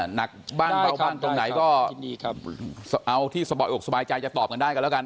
หนักบ้านเบาบ้างตรงไหนก็เอาที่สบายอกสบายใจจะตอบกันได้กันแล้วกัน